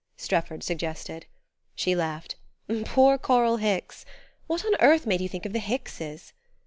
Strefford suggested. She laughed. "Poor Coral Hicks! What on earth made you think of the Hickses?"